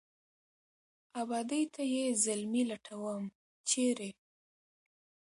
آبادۍ ته یې زلمي لټوم ، چېرې ؟